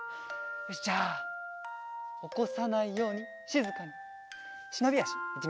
よしじゃあおこさないようにしずかにしのびあしいってみよう。